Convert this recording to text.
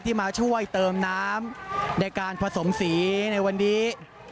มาช่วยเติมน้ำในการผสมสีในวันนี้